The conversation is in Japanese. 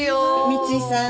三井さん。